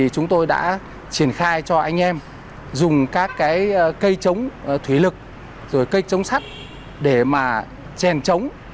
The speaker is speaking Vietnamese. chúng tôi đã triển khai cho anh em dùng các cây chống thủy lực cây chống sắt để chèn chống